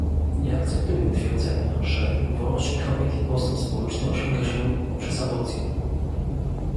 Nie akceptuję twierdzenia, że wolność kobiet i postęp społeczny osiąga się poprzez aborcję